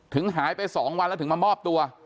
หายไป๒วันแล้วถึงมามอบตัว